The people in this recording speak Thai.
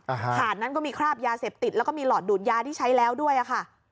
อาหารนั้นก็มีคราบยาเสพติดแล้วก็มีหลอดดูดยาที่ใช้แล้วด้วยอะค่ะ